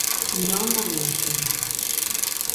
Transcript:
Non obedeceron.